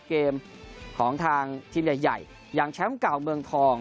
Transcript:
เกมของทางทีมใหญ่อย่างแชมป์เก่าเมืองทอง